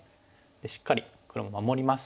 しっかり黒も守ります。